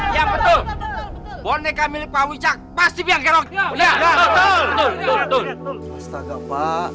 ya betul boneka milik pak wicak pasti biang biang betul betul